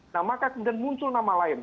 nah maka kemudian muncul nama lain